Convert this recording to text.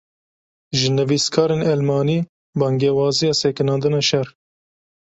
Ji nivîskarên Elmanî, bangewaziya sekinandina şer